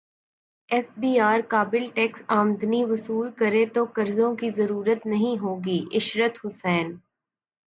F B R قابل tax امدنی وصول کرے تو قرضوں کی ضرورت نہیں ہوگی عشرت حسین